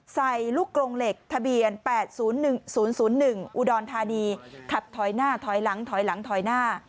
ใส่ลูกกรงเหล็กทะเบียน๘๐๑๐๐๑อุดรธานีขับถอยหน้าถอยหลังถอยหลังถอยหน้า